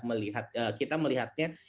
melihat kita melihatnya